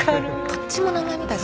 どっちも名前みたい。